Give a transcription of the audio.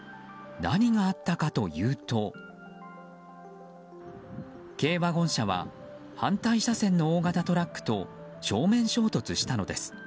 何があったかというと軽ワゴン車は反対車線の大型トラックと正面衝突したのです。